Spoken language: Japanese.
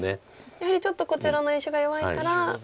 やはりちょっとこちらの石が弱いから浅めに消そうと。